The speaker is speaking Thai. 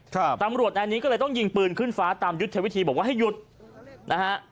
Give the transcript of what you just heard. ตำรวจนายนี้ก็เลยต้องยิงปืนขึ้นฟ้าตามยุทธวิธีบอกว่าให้หยุดนะฮะ